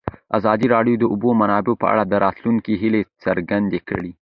ازادي راډیو د د اوبو منابع په اړه د راتلونکي هیلې څرګندې کړې.